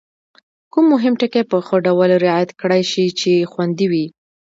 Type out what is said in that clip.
کوم مهم ټکي په ښه ډول رعایت کړای شي چې خوندي وي؟